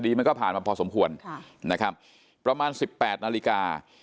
คดีมันก็ผ่านมาพอสมควรนะครับประมาณ๑๘นาฬิกา